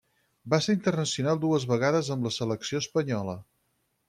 Va ser internacional dues vegades amb la selecció espanyola.